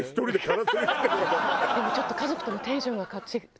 でもちょっと家族ともテンションが違って。